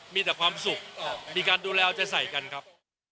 มีแต่ความสุขมีการดูแลเอาใจใส่กันครับ